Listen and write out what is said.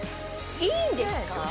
いいんですか？